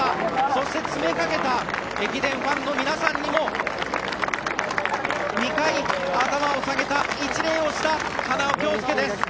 そして、詰めかけた駅伝ファンの皆さんにも２回、頭を下げた一礼をした花尾恭輔です。